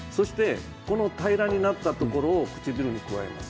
平らになったところを唇にくわえます。